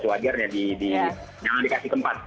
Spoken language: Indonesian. suwagarnya yang dikasih tempat